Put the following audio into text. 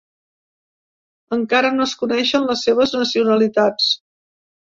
Encara no es coneixen les seves nacionalitats.